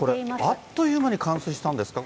これ、あっという間に冠水したんですか？